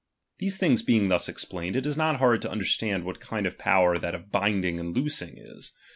These ^M things being thus explained, it is not hard to un ^H derstand what kind of power that of binding and ^H loosing is.